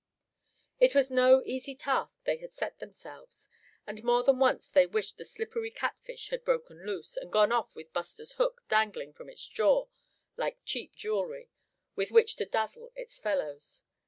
It was no easy task they had set themselves; and more than once they wished the slippery catfish had broken loose, and gone off with Buster's hook dangling from its jaw like cheap jewelry, with which to dazzle its fellows.